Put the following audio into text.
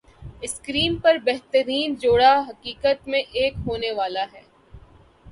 screen پر بہترین جوڑا حقیقت میں ایک ہونے والا ہے